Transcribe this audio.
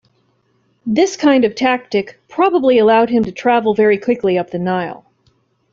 This kind of tactic probably allowed him to travel very quickly up the Nile.